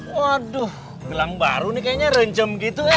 waduh gelang baru nih kayaknya renjem gitu